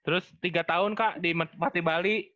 terus tiga tahun kak di bali